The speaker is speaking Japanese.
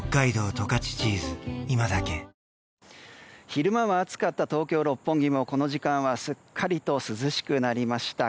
昼間は暑かった東京・六本木もこの時間はすっかりと涼しくなりました。